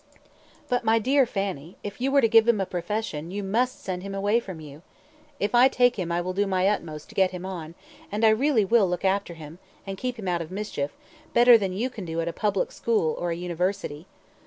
"But, my dear Fanny, if you were to give him a profession, you must send him away from you. If I take him I will do my utmost to get him on, and I will really look after him, and keep him out of mischief, better than you can do at a public school or a university."